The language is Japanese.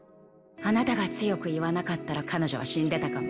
あなたが強く言わなかったら彼女は死んでたかも。